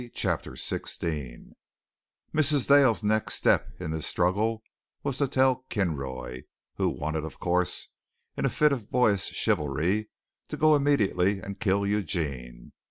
CHAPTER XVI Mrs. Dale's next step in this struggle was to tell Kinroy, who wanted, of course, in a fit of boyish chivalry, to go immediately and kill Eugene.